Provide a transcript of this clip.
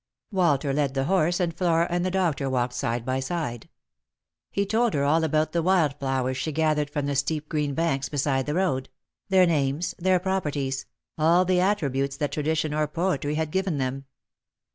Walter led the horse, and Flora and the doctor walked side by side. He told her all about the wild flowers she gathered from the steep green banks beside the road ; their names, their properties — all the attributes that tradition or poetry had given them.